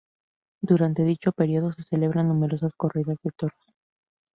Durante dicho período se celebran numerosas corridas de toros.